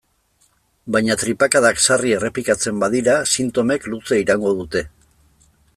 Baina tripakadak sarri errepikatzen badira, sintomek luze iraungo dute.